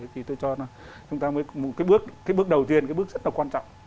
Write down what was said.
thì tôi cho là chúng ta mới cái bước đầu tiên cái bước rất là quan trọng